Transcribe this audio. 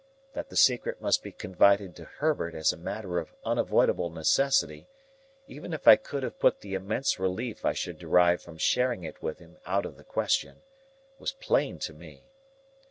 That the secret must be confided to Herbert as a matter of unavoidable necessity, even if I could have put the immense relief I should derive from sharing it with him out of the question, was plain to me.